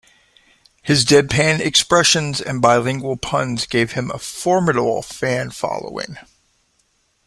His deadpan expressions and bilingual puns gave him a formidable fan following.